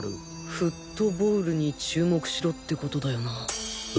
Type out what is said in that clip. フットボウルに注目しろってコトだよな